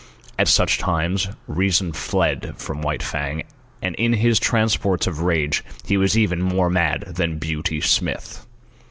At such times reason fled from White Fang, and in his transports of rage he was even more mad than Beauty Smith.